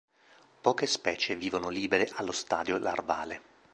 Poche specie vivono libere allo stadio larvale.